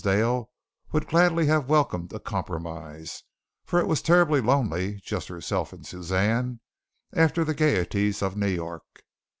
Dale would gladly have welcomed a compromise, for it was terribly lonely, just herself and Suzanne after the gaieties of New York.